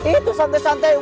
eh tuh santai santai